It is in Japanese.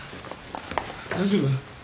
大丈夫？